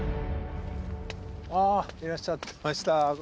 あいらっしゃいました。